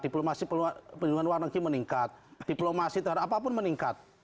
diplomasi penyelenggaraan warna kuning meningkat diplomasi terhadap apapun meningkat